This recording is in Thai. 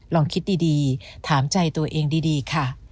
ลองคิดดีถามใจตัวเองดีค่ะ